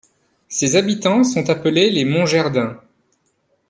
Ses habitants sont appelés les Montgeardins.